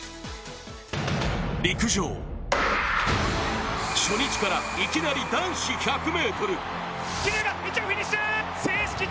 陸上初日からいきなり男子１００ｍ。